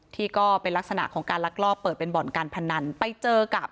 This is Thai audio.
ที่เป็นลักษณะของการลักลอบเปิดเป็นบ่อนการพนันไปเจอกับ